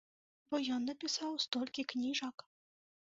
Бо ён напісаў столькі кніжак!